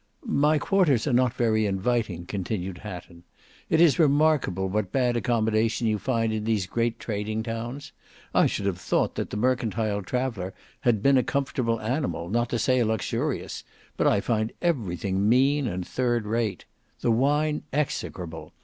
"My quarters are not very inviting," continued Hatton. "It is remarkable what bad accommodation you find in these great trading towns. I should have thought that the mercantile traveller had been a comfortable animal—not to say a luxurious; but I find everything mean and third rate. The wine execrable.